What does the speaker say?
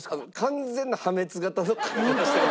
完全な破滅型のかけ方してる。